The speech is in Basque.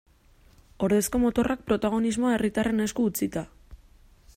Ordezko motorrak, protagonismoa herritarren esku utzita.